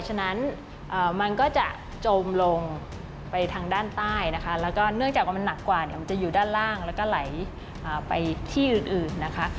ฉะนั้นมันก็จะจมลงไปทางด้านใต้นะคะแล้วก็เนื่องจากว่ามันหนักกว่าเนี่ยมันจะอยู่ด้านล่างแล้วก็ไหลไปที่อื่นนะคะ